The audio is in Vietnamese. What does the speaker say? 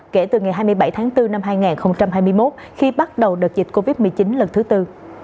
kể từ ngày hai mươi bảy tháng bốn năm hai nghìn hai mươi một khi bắt đầu đợt dịch covid một mươi chín lần thứ tư